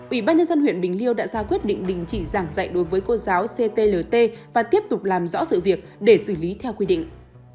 ủy ban nhân dân huyện bình liêu đã ra quyết định đình chỉ giảng dạy đối với cô giáo ctlt và tiếp tục làm rõ sự việc để xử lý theo quy định